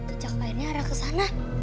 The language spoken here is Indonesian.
kejak airnya arah ke sana